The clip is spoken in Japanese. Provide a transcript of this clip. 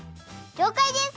りょうかいです！